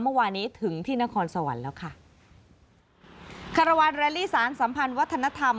เมื่อวานนี้ถึงที่นครสวรรค์แล้วค่ะคารวาลแรลลี่สารสัมพันธ์วัฒนธรรม